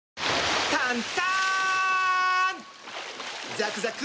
ザクザク！